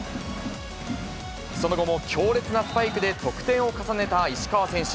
その後も強烈なスパイクで得点を重ねた石川選手。